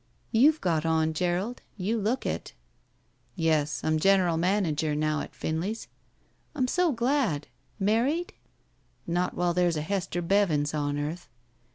"You've got on, Gerald. You look it." "Yes; I'm general manager now at Finley's." "I'm so glad. Married?" "Not while there's a Hester Bevins on earth."